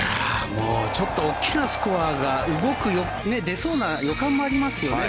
ちょっと大きなスコアが出そうな予感もありますよね。